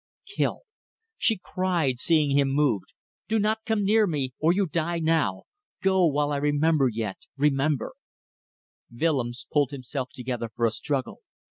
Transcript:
Kill!" She cried, seeing him move "Do not come near me ... or you die now! Go while I remember yet ... remember. ..." Willems pulled himself together for a struggle.